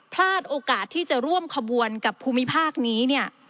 พลาดโอกาสที่จะร่วมขบวนกับภูมิภาคนี้เนี่ย